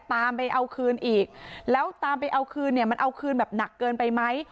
ตามไปเอาคืนอีกแล้วตามไปเอาคืนเนี่ยมันเอาคืนแบบหนักเกินไปไหม